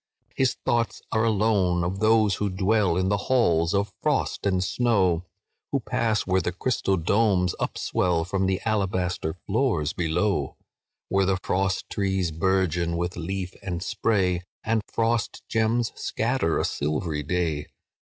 "His thoughts are alone of those who dwell In the halls of frost and snow, Who pass where the crystal domes upswell From the alabaster floors below, Where the frost trees bourgeon with leaf and spray, And frost gems scatter a silvery day.